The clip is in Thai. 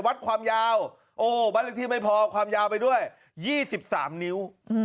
วัดความยาวโอ้โหบ้านเลขที่ไม่พอความยาวไปด้วย๒๓นิ้ว